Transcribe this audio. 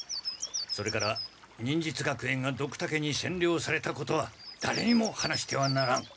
それから忍術学園がドクタケにせんりょうされたことはだれにも話してはならん。